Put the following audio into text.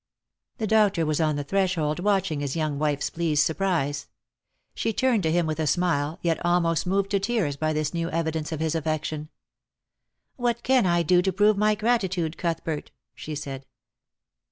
The doctor was on the threshold watching his young wife's pleased surprise. She turned to him with a smile, yet almost moved to tears by this new evidence of his affection. " What can I do to prove my gratitude, Cuthbert ?" she said.